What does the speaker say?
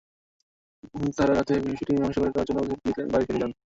তাঁরা রাতে বিষয়টি মীমাংসা করে দেওয়ার প্রতিশ্রুতি দিলে তিনি বাড়ি ফিরে যান।